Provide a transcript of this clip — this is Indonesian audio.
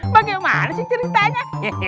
bagaimana sih ceritanya